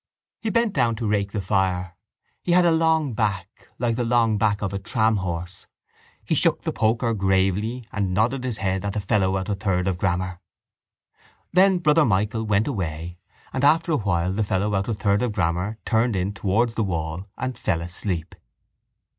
He bent down to rake the fire. He had a long back like the long back of a tramhorse. He shook the poker gravely and nodded his head at the fellow out of third of grammar. Then Brother Michael went away and after a while the fellow out of third of grammar turned in towards the wall and fell asleep.